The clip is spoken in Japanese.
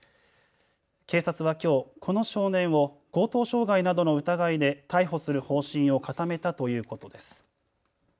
警察はきょう、この少年を強盗傷害などの疑いで逮捕する方針を固めたということです。